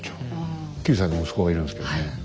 ９歳の息子がいるんですけどね